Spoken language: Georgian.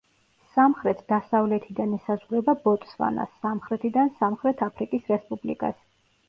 სამხრეთ-დასავლეთიდან ესაზღვრება ბოტსვანას, სამხრეთიდან სამხრეთ აფრიკის რესპუბლიკას.